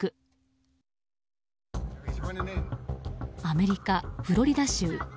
アメリカ・フロリダ州。